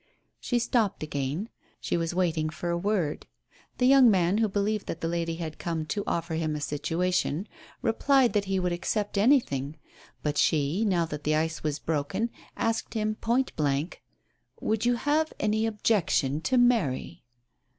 She stopped again. She was waiting for a word. The young man, who believed that the lady had come to offer him a situation, replied that he would accept any A STARTLING PROPOSITION. 73 tiling. But she, now that the ice was broken, asked him point blank: "Would you have any objection to marry?"